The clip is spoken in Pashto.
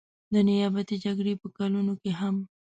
د نیابتي جګړې په کلونو کې هم.